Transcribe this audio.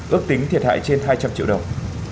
ước tính thiệt hại trên hai trăm linh triệu đồng